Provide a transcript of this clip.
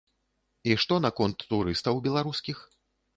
І што наконт турыстаў беларускіх?